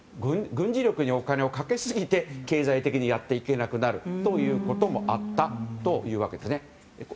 軍事力にお金をかけすぎて経済的にやっていけなくなるということもあったというわけですね。